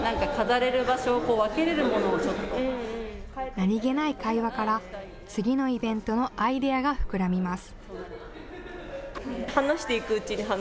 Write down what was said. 何気ない会話から次のイベントのアイデアが膨らみます。